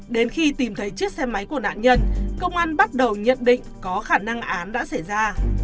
đến khi tìm thấy chiếc xe máy của nạn nhân công an bắt đầu nhận định có khả năng án đã xảy ra